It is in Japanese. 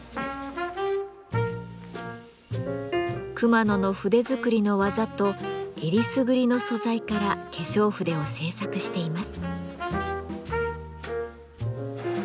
熊野の筆作りの技とえりすぐりの素材から化粧筆を製作しています。